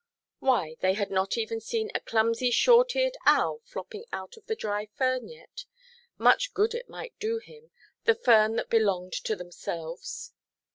Why, they had not even seen a clumsy short–eared owl flopping out of the dry fern yet—much good might it do him, the fern that belonged to themselves!